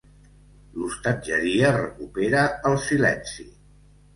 L'hostatgeria recupera el silenci.